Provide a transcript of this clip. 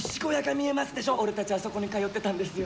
俺たちあそこに通ってたんですよ。